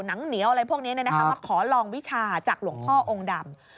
หนังเหนียวอะไรพวกนี้มาขอลองวิชาจากหลวงพ่อองค์ดำ